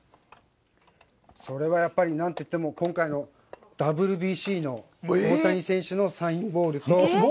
それはやっぱりなんといっても、今回のＷＢＣの大谷選手のサインボールと。